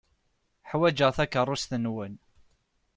Ḥwajeɣ takeṛṛust-nwen.